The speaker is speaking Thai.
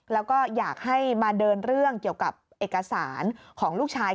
แล้วก็อยากให้มาเดินเรื่องเกี่ยวกับเอกสารของลูกชาย